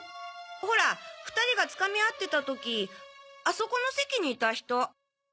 ほら２人が掴み合ってた時あそこの席にいた人。